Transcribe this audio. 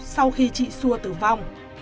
sau khi chị sua tử vong